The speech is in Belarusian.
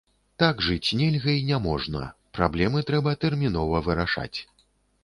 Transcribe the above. Так жыць нельга і не можна, праблемы трэба тэрмінова вырашаць.